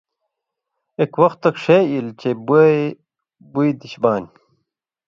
اِک وختوک ݜے ایلوۡ چے بوے بُوئ دِش بانیۡ